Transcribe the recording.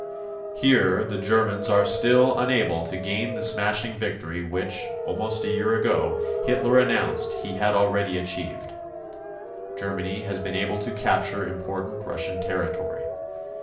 Here the Germans are still unable to gain the smashing victory which, almost a year ago, Hitler announced he had already achieved. Germany has been able to capture important Russian territory.